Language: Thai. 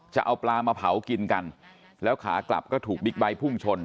จะเอาปลามาเผากินกันแล้วขากลับก็ถูกบิ๊กไบท์พุ่งชน